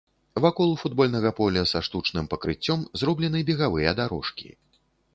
Вакол футбольнага поля са штучным пакрыццём зроблены бегавыя дарожкі.